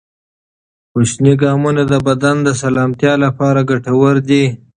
کوچني ګامونه د بدن د سلامتیا لپاره ګټور دي.